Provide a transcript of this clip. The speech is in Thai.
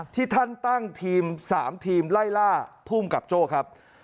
ที่ท่านตั้งทีม๓ทีมไล่ล่าภูมิกับโจ้ครับ